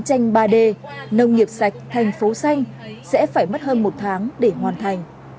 tuy nhiên từ những bức vẽ đầu tiên nông nghiệp sạch thành phố xanh sẽ phải mất hơn một tháng để hoàn thành